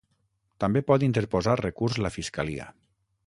També pot interposar recurs la fiscalia.